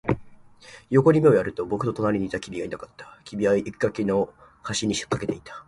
横に目をやると、僕の隣にいた君がいなかった。君は生垣の端に駆けていた。